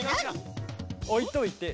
おいといて。